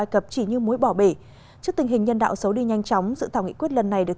israel như múi bỏ bể trước tình hình nhân đạo xấu đi nhanh chóng sự thảo nghị quyết lần này được